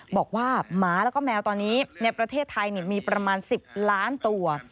บอกว่าหมาแล้วก็แมวตอนนี้ในประเทศไทยมีประมาณ๑๐ล้านตัว